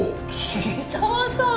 桐沢さん！